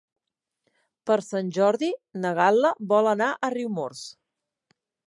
Per Sant Jordi na Gal·la vol anar a Riumors.